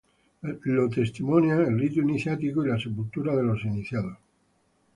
Lo testimonian el rito iniciático y las sepulturas de los iniciados.